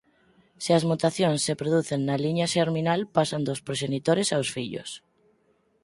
Se as mutacións se producen na liña xerminal pasan dos proxenitores aos fillos.